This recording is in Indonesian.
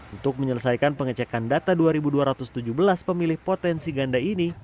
untuk menyelesaikan pengecekan data dua dua ratus tujuh belas pemilih potensi ganda ini